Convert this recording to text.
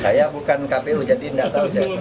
saya bukan kpu jadi nggak tahu saya kembali ke wadidah